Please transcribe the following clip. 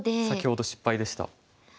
先ほど失敗でした。